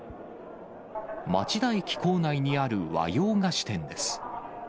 町田駅構内にある和洋菓子店です。